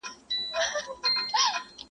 سیند به روان وي د کونړونو -